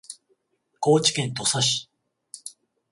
高知県土佐市